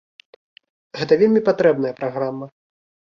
Гэта вельмі патрэбная праграма.